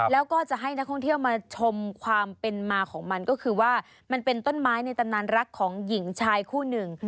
แล้วก็จะให้นักท่องเที่ยวมาชมความเป็นมาของมันก็คือว่ามันเป็นต้นไม้ในตำนานรักของหญิงชายคู่หนึ่ง